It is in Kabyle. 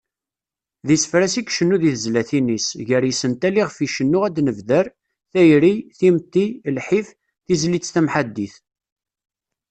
D isefra-s i icennu di tezlatin-is, gar yisental iɣef icennu ad nebder: Tayri, timetti, lḥif, tizlit tamḥaddit.